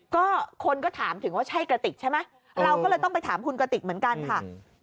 ก็คนก็ถามถึงว่าใช่กระติกใช่ไหมเราก็เลยต้องไปถามคุณกระติกเหมือนกันค่ะ